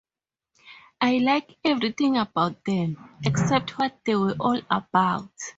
I like everything about them, except what they were all about.